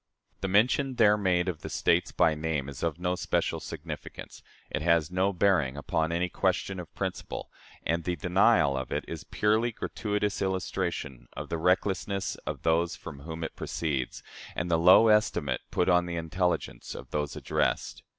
The mention there made of the States by name is of no special significance; it has no bearing upon any question of principle; and the denial of it is a purely gratuitous illustration of the recklessness of those from whom it proceeds, and the low estimate put on the intelligence of those addressed.